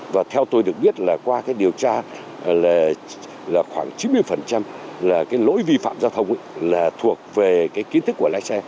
và theo tôi được biết là qua cái điều tra là khoảng chín mươi là cái lỗi vi phạm giao thông là thuộc về cái kiến thức của lái xe